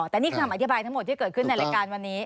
แต่นี่คือคำอธิบายทั้งหมดที่เกิดขึ้นในรายการวันนี้